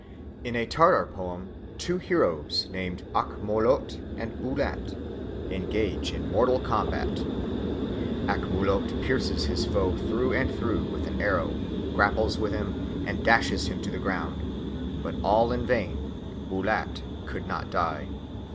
In a Tartar poem two heroes named Ak Molot and Bulat engage in mortal combat. Ak Molot pierces his foe through and through with an arrow, grapples with him, and dashes him to the ground, but all in vain, Bulat could not die.